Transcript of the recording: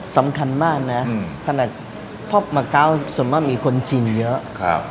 สำคัญมากนะพบมาเกาะส่วนมากมีคนจีนเยอะ